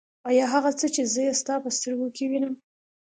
آيا هغه څه چې زه يې ستا په سترګو کې وينم.